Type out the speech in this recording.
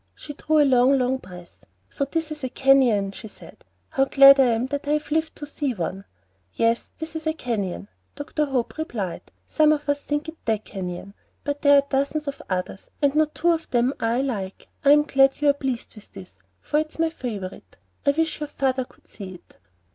She drew a long, long breath. "So this is a canyon," she said. "How glad I am that I have lived to see one." "Yes, this is a canyon," Dr. Hope replied. "Some of us think it the canyon; but there are dozens of others, and no two of them are alike. I'm glad you are pleased with this, for it's my favorite. I wish your father could see it."